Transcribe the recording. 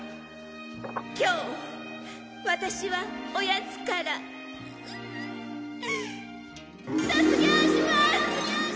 今日ワタシはおやつからウウッ卒業します！